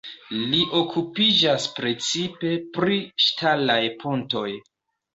Li okupiĝas precipe pri ŝtalaj pontoj.